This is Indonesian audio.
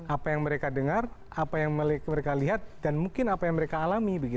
apa yang mereka dengar apa yang mereka lihat dan mungkin apa yang mereka alami